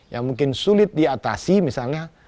yang mungkin sulit diatasi misalnya